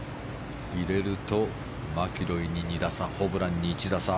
入れるとマキロイに２打差ホブランに１打差。